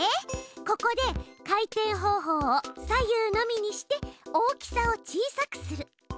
ここで「回転方法を左右のみ」にして大きさを小さくする。